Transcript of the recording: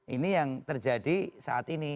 ini yang terjadi saat ini